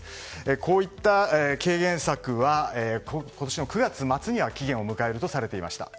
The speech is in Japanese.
こういった軽減策は今年の９月末には期限を迎えるとされていました。